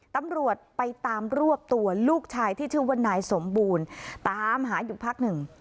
ตำรวจไปตามรวบตัวลูกชายที่ชื่อว่านายสมบูรณ์ตามหาอยู่พักหนึ่ง